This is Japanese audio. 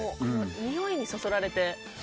においにそそられて。